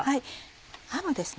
ハムですね。